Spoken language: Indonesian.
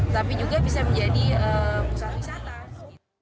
tapi juga bisa menjadi pusat wisata